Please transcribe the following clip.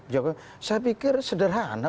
jokowi saya pikir sederhana